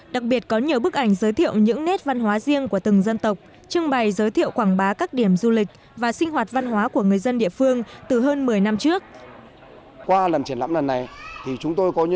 đặc biệt có nhiều bức ảnh giới thiệu những nét văn hóa riêng của từng dân tộc trưng bày giới thiệu quảng bá các điểm du lịch và sinh hoạt văn hóa của người dân địa phương từ hơn một mươi năm trước